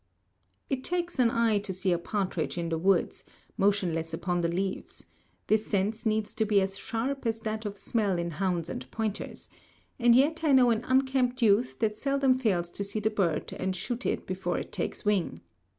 It takes an eye to see a partridge in the woods, motionless upon the leaves; this sense needs to be as sharp as that of smell in hounds and pointers, and yet I know an unkempt youth that seldom fails to see the bird and shoot it before it takes wing.